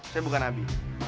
saya bukan abi